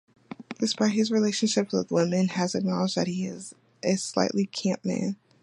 Despite his relationships with women, has acknowledged that he is a slightly camp man.